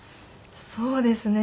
そうですね。